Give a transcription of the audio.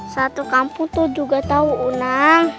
satu kampung tuh juga tahu unang